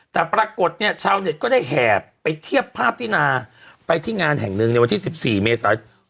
แต่ปรากฏเนี่ยชาวเน็ตก็ได้แห่ไปเทียบภาพที่นาไปที่งานแห่งหนึ่งในวันที่๑๔เมษายน